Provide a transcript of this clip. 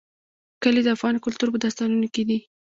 کلي د افغان کلتور په داستانونو کې دي.